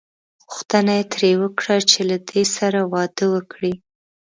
غوښتنه یې ترې وکړه چې له دې سره واده وکړي.